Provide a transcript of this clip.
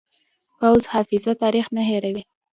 پوخ حافظه تاریخ نه هېروي